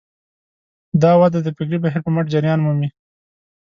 دا وده د فکري بهیر په مټ جریان مومي.